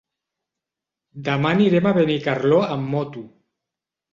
Demà anirem a Benicarló amb moto.